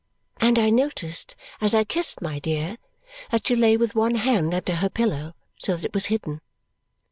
And I noticed as I kissed my dear that she lay with one hand under her pillow so that it was hidden.